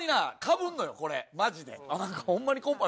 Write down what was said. マジで。